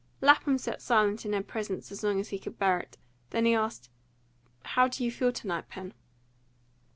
Lapham sat silent in her presence as long as he could bear it. Then he asked, "How do you feel to night, Pen?"